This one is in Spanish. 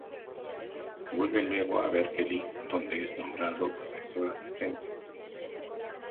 Vuelve luego a Berkeley donde es nombrado profesor asistente.